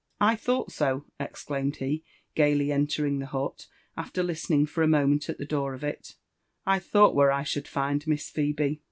I thought so I" exclaimed he, gaily entering the hut, after listeiH ing for a moment at the door of it ;'* I thought where I should find Miss Phebe.